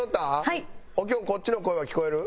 おきょんこっちの声は聞こえる？